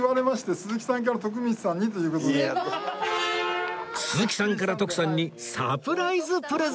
鈴木さんから徳さんにサプライズプレゼント！